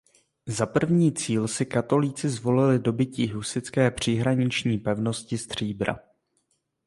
Za první cíl si katolíci zvolili dobytí husitské příhraniční pevnosti Stříbra.